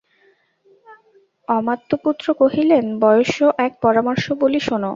অমাত্যপুত্র কহিলেন, বয়স্য, এক পরামর্শ বলি শুন।